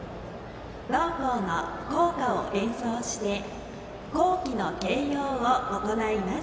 同校の校歌を演奏して校旗の掲揚を行います。